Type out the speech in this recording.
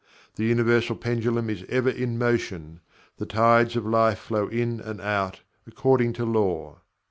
The Universal Pendulum is ever in motion. The Tides of Life flow in and out, according to Law.